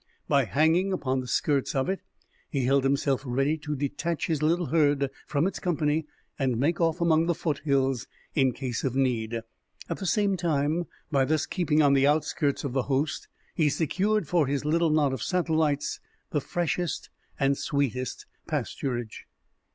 By hanging upon the skirts of it, he held himself ready to detach his little herd from its company and make off among the foothills in case of need. At the same time, by thus keeping on the outskirts of the host he secured for his little knot of satellites the freshest and sweetest pasturage.